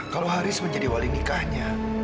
kalau haris menjadi wali nikahnya